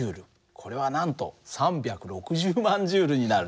これはなんと３６０万Ｊになる。